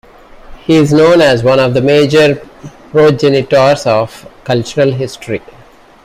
He is known as one of the major progenitors of cultural history.